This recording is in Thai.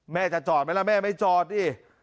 แม่จะจอดไหมล่ะแม่ไม่จอดดิ